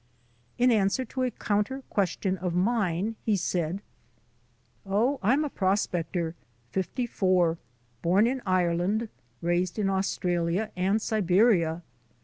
In answer to a counter question of mine he said: "Oh, I'm a prospector, fifty four, born in Ire land, raised in Australia and Siberia.